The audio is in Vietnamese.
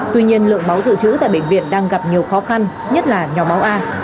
tuy nhiên lượng máu dự trữ tại bệnh viện đang gặp nhiều khó khăn nhất là nhóm máu a